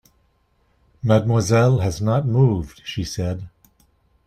"Mademoiselle has not moved," she said.